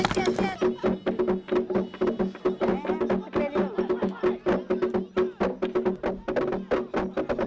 pernahlah mendengarikalala dialog ini